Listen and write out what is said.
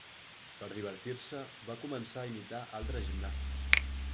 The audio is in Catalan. Per divertir-se, va començar a imitar altres gimnastes.